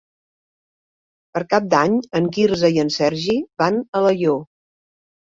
Per Cap d'Any en Quirze i en Sergi van a Alaior.